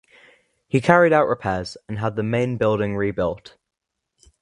He carried out repairs and had the main building rebuilt.